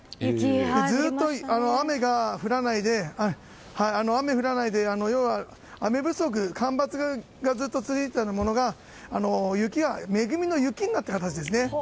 ずっと雨が降らないで要は、雨不足干ばつがずっと続いていたのが雪が恵みの雪になった形ですね。